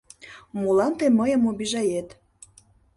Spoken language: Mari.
Молан тый мыйым обижает?